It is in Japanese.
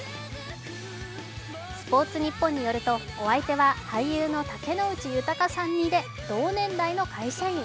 「スポーツニッポン」によるとお相手は俳優の竹野内豊さん似で同年代の会社員。